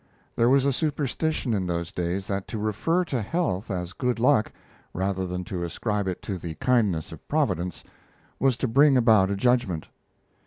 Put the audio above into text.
There was a superstition in those days that to refer to health as good luck, rather than to ascribe it to the kindness of Providence, was to bring about a judgment.